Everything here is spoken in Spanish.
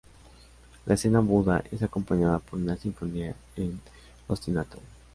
La escena muda es acompañada por una sinfonía en ostinato.